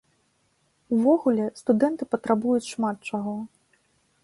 Увогуле, студэнты патрабуюць шмат чаго.